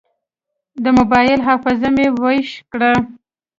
د موبایل حافظه مې بیا ویش کړه.